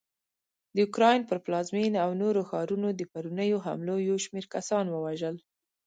د اوکراین پر پلازمېنه او نورو ښارونو د پرونیو حملو یوشمېر کسان ووژل